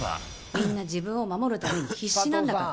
みんな自分を守るために必死なんだから。